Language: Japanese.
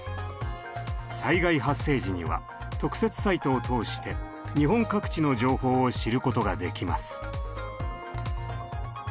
災害発生時には特設サイトを通して日本各地の情報を知ることができます。